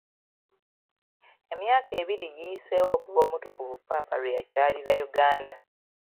Emyaka ebiri giyiseewo okuva omutukuvu ppaapa lwe yakyalira Uganda.